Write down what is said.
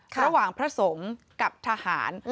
ระหว่างพระสงฆ์กับทหาร